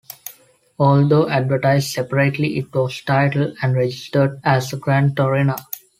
Although advertised separately, it was titled and registered as a Gran Torino.